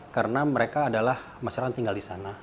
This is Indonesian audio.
karena mereka adalah masyarakat yang tinggal di sana